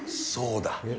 そうだ。